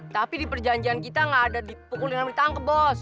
tapi di perjanjian kita gak ada dipukulin ditangkap bos